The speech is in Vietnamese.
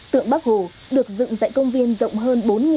tượng bắc hồ được dựng tại công viên rộng hơn bốn bảy trăm linh m hai